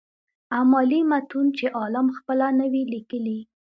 امالي متون چي عالم خپله نه وي ليکلي.